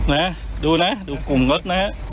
นะดูนะดูกลุ่มรถนะฮะ